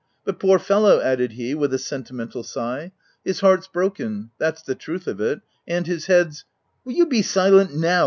But poor fel low l p added he, with a sentimental sigh —" his heart's broken — that's the truth of it— and his head's—" " Will you be silent now?"